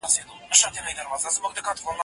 زه به اوږده موده ځواب ليکلی وم؟